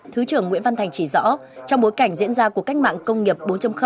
thứ trưởng nguyễn văn thành chỉ rõ trong bối cảnh diễn ra của cách mạng công nghiệp bốn